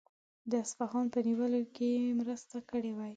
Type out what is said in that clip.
د اصفهان په نیولو کې یې مرسته کړې وای.